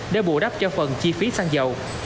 để bù đắp cho phần chi phí xăng dầu